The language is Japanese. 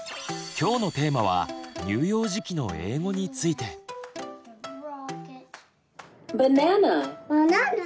今日のテーマは「乳幼児期の英語」について。「Ｂａｎａｎａ」。